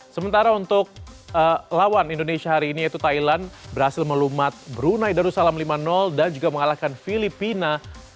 sementara untuk lawan indonesia hari ini yaitu thailand berhasil melumat brunei darussalam lima dan juga mengalahkan filipina dua